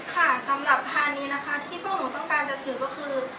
ค่ะสำหรับทานนี้นะคะที่พวกหนูต้องการจะซื้อก็คือ